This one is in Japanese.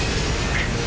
くっ！